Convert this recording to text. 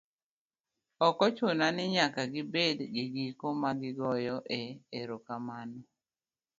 Ok ochuno ni nyaka gibed gigiko ma igoyoe erokamano